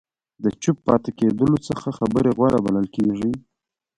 د چوپ پاتې کېدلو څخه خبرې غوره بلل کېږي.